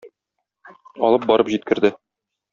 Алып барып җиткерде.